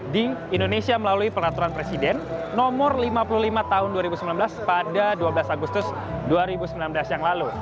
di indonesia melalui peraturan presiden nomor lima puluh lima tahun dua ribu sembilan belas pada dua belas agustus dua ribu sembilan belas yang lalu